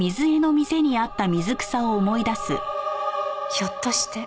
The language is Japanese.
ひょっとして。